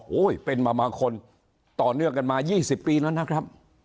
โอ้โหเป็นมาคนต่อเนื่องกันมา๒๐ปีแล้วนะครับ